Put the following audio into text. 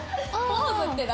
ポーズって何？